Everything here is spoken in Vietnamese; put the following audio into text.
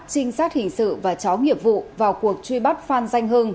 trinh sát hình sự và chó nghiệp vụ vào cuộc truy bắt phan danh hưng